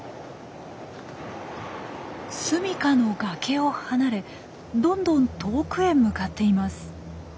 すみかの崖を離れどんどん遠くへ向かっています。